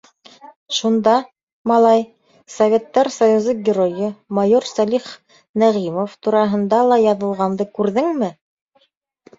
— Шунда, малай, Советтар Союзы Геройы, майор Сәлих Нәғимов тураһында ла яҙылғанды күрҙеңме?